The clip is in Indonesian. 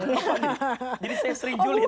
jadi saya sering julid